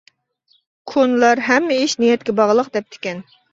كونىلار ھەممە ئىش نىيەتكە باغلىق دەپتىكەن.